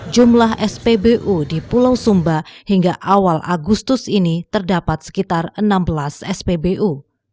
jumlah spbu di pulau sumba hingga awal agustus ini terdapat sekitar enam belas spbu